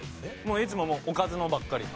いつもおかずのばっかり。